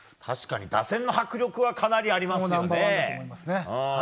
確かに、打線の迫力はかなりありますよね。